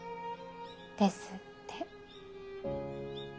ですって。